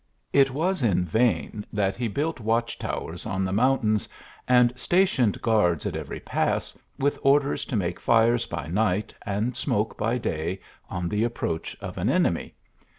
It was in vain that he built watch towers on tho mountains and stationed guards at every pass, with orders to make fires by night, and smoke by day, on the approach of an enemy.